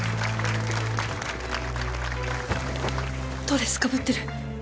ドレスかぶってる！？